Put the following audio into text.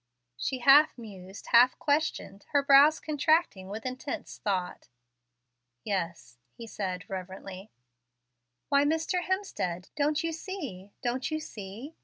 she half mused, half questioned, her brows contracting with intense thought. "Yes," he said reverently. "Why, Mr. Hemstead, don't you see don't you see?